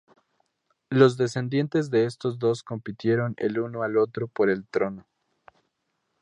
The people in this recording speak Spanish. Los descendientes de estos dos compitieron el uno al otro por el trono.